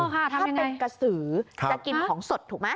ถ้ามันเป็นกระสือจะกินของสดถูกไหม